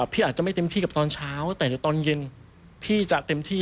พี่อาจจะไม่เต็มที่กับตอนเช้าแต่เดี๋ยวตอนเย็นพี่จะเต็มที่